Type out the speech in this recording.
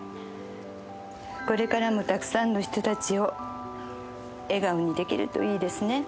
これからもたくさんの人たちを笑顔にできるといいですね。